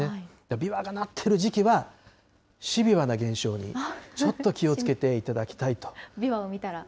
ビワがなっている時期は、シビワな現象にちょっと気をつけていただきたいと。